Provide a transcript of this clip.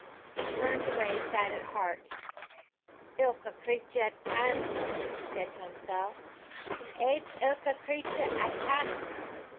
He turned away sad at heart. "Ilka cratur 'at can," he said to himself, "ates ilka cratur 'at canna!"